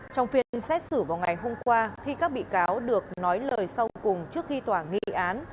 trong phiên xét xử vào ngày hôm qua khi các bị cáo được nói lời sau cùng trước khi tòa nghị án